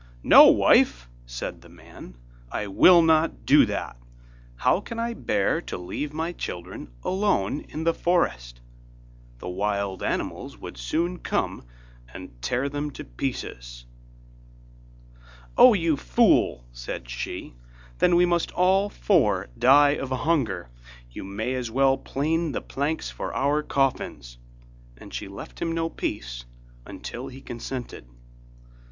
'No, wife,' said the man, 'I will not do that; how can I bear to leave my children alone in the forest? the wild animals would soon come and tear them to pieces.' 'O, you fool!' said she, 'then we must all four die of hunger, you may as well plane the planks for our coffins,' and she left him no peace until he consented.